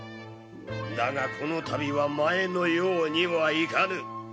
だがこの度は前のようにはいかぬ。